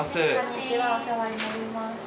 こんにちはお世話になります。